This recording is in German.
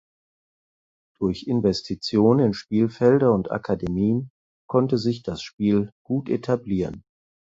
Durch Investitionen in Spielfelder und Akademien konnte sich das Spiel gut etablieren.